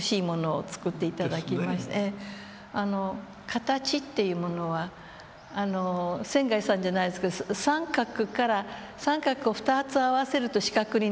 形っていうものは仙さんじゃないですけど三角から三角を２つ合わせると四角になるわけですよね。